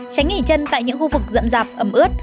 tránh nghỉ chân tại những khu vực dậm dạp ấm ướt